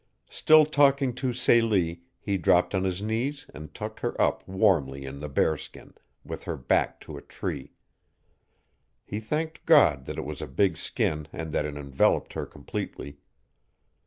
Still talking to Celie he dropped on his knees and tucked her up warmly in the bearskin, with her back to a tree. He thanked God that it was a big skin and that it enveloped her completely.